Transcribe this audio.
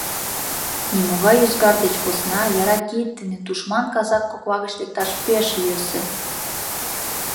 Нимогай ӱзгар деч посна, яра кид дене тушман казак кокла гыч лекташ пеш йӧсӧ.